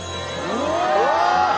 うわ。